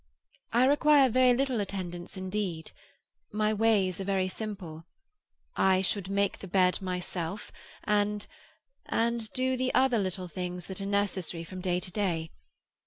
I require very little attendance indeed. My ways are very simple. I should make the bed myself, and—and, do the other little things that are necessary from day to day.